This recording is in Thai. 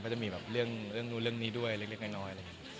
และมีเรื่องนู้นเรื่องนี้ด้วยเร็กน้อย